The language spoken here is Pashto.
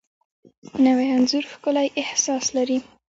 نوی انځور ښکلی احساس لري